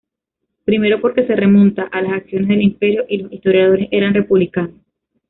Primero porque se remonta a las acciones del imperio y los historiadores eran republicanos.